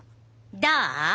どう？